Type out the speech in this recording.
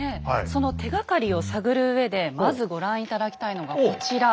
その手がかりを探るうえでまずご覧頂きたいのがこちら。